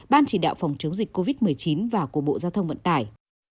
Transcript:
ban chỉ đạo phòng chống dịch covid một mươi chín và của bộ giao thông vận tải